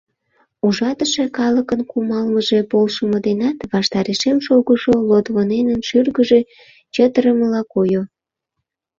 Ужатыше калыкын кумалмыже полшымо денат ваштарешем шогышо Лотвоненын шӱргыжӧ чытырымыла койо.